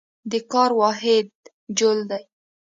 د کار واحد جول دی.